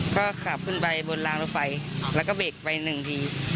ก็ขับขึ้นไปบนรางรถไฟแล้วก็เบรกไปหนึ่งที